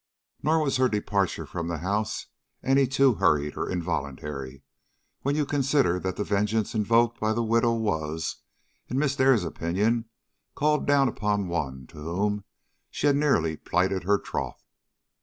Nor was her departure from the house any too hurried or involuntary, when you consider that the vengeance invoked by the widow, was, in Miss Dare's opinion, called down upon one to whom she had nearly plighted her troth.